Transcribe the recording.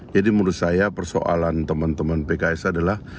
jadi menurut saya persoalan teman teman pks adalah